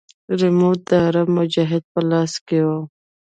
ريموټ د عرب مجاهد په لاس کښې و.